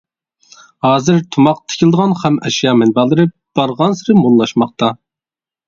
ھازىر تۇماق تىكىلىدىغان خام ئەشيا مەنبەلىرى بارغانسېرى موللاشماقتا.